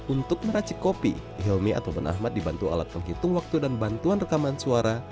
untuk meracik kopi hilmi ataupun ahmad dibantu alat penghitung waktu dan bantuan rekaman suara